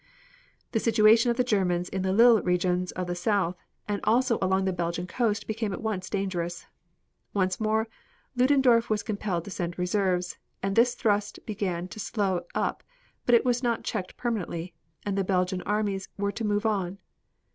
The situation of the Germans in the Lille regions of the south and also along the Belgian coast became at once dangerous. Once more Ludendorf was compelled to send reserves, and this thrust began to slow up but it was not checked permanently, and the Belgian armies were to move on.